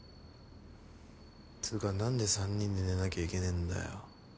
つか何で３人で寝なきゃいけねんだよ。